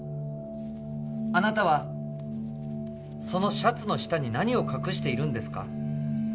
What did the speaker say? あなたはそのシャツの下に何を隠しているんですか？